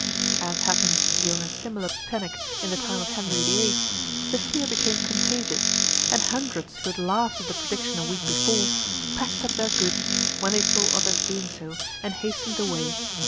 As happened during a similar panic in the time of Henry VIII., the fear became contagious, and hundreds who had laughed at the prediction a week before, packed up their goods, when they saw others doing so, and hastened away.